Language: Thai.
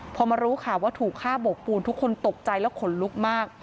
พอมารู้ข่าวว่าถูกฆ่าโบกปูนทุกคนตกใจแล้วขนลุกมาก